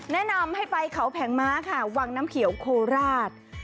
แนะนำให้ไปเขาแผงม้าค่ะวังน้ำเขียวโคราช